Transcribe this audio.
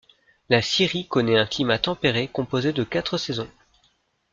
La Syrie connaît un climat tempéré composé de quatre saisons.